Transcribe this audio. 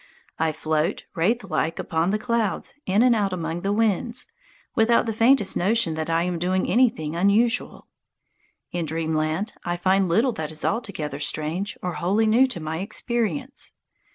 I float wraith like upon clouds in and out among the winds, without the faintest notion that I am doing anything unusual. In Dreamland I find little that is altogether strange or wholly new to my experience.